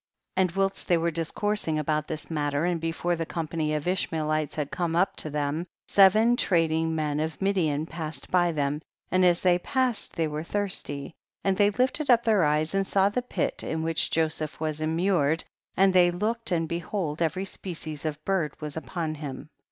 5. And whilst they were discours ing about this matter, and before the company of Ishmaelites had come up to them, seven trading men of Midian passed by them, and as they passed they were thirsty, and they lifted up their eyes and saw the pit in which Joseph was immured, and they looked, and behold every species of bird was upon him.